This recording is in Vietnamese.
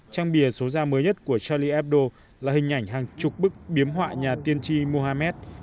trang bìa số da mới nhất của charlie hebdo là hình ảnh hàng chục bức biếm họa nhà tiên tri mohamed